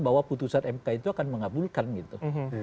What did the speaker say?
bahwa putusan mk itu akan mengabulkan gitu